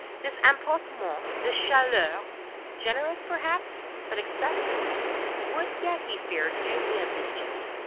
This "emportement," this "chaleur"—generous, perhaps, but excessive—would yet, he feared, do me a mischief.